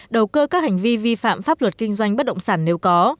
đầu cơ các hành vi vi phạm pháp luật kinh doanh bất động sản nếu có